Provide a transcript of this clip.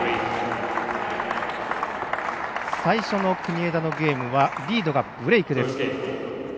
最初の国枝のゲームはリードがブレークです。